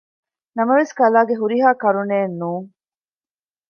ނަމަވެސް ކަލާގެ ހުރިހާ ކަރުނައެއް ނޫން